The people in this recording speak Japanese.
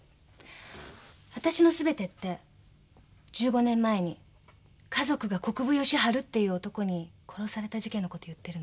あたしのすべてって１５年前に家族が国府吉春っていう男に殺された事件のこと言ってるの？